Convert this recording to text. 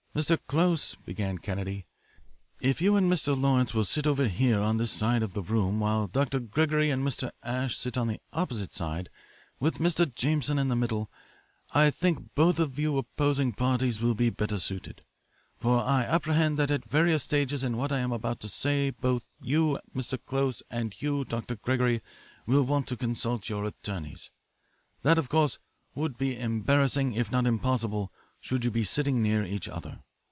"Mr. Close," began Kennedy, "if you and Mr. Lawrence will sit over here on this side of the room while Dr. Gregory and Mr. Asche sit on the opposite side with Mr. Jameson in the middle, I think both of you opposing parties will be better suited. For I apprehend that at various stages in what I am about to say both you, Mr. Close, and you, Dr. Gregory, will want to consult your attorneys. That, of course, would be embarrassing, if not impossible, should you be sitting near each other.